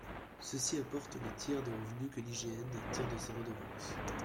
Ceux-ci apportent le tiers des revenus que l’IGN tire de ses redevances.